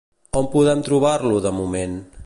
On podem trobar-lo de moment?